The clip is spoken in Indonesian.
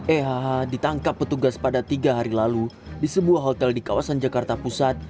ehh ditangkap petugas pada tiga hari lalu di sebuah hotel di kawasan jakarta pusat